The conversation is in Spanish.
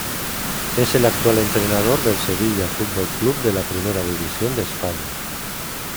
Es el actual entrenador del Sevilla Fútbol Club de la Primera División de España.